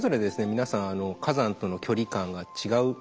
皆さん火山との距離感が違う。